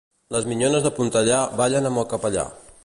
Les minyones de Pontellà ballen amb el capellà.